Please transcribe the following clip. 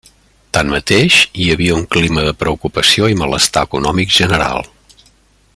Tanmateix, hi havia un clima de preocupació i malestar econòmic general.